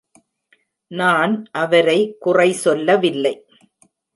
நான் அவரை குறை சொல்லவில்லை.